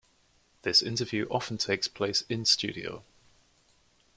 This interview often takes place in studio.